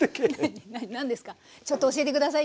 ちょっと教えて下さい。